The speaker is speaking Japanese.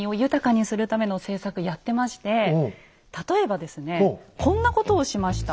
信玄例えばですねこんなことをしました。